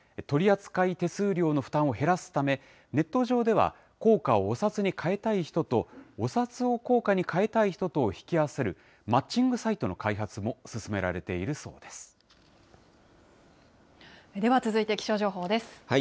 取り扱い手数料の負担を減らすため、ネット上では、硬貨をお札に替えたい人と、お札を硬貨に替えたい人と引き合わせる、マッチングサイトの開発も進められているでは続いて気象情報です。